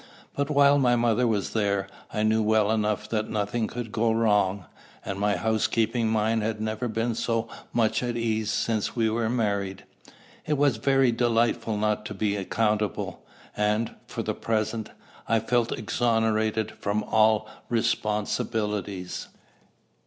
But while my mother was there, I knew well enough that nothing could go wrong; and my housekeeping mind had never been so much at ease since we were married. It was very delightful not to be accountable; and, for the present, I felt exonerated from all responsibilities.